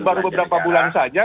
baru beberapa bulan saja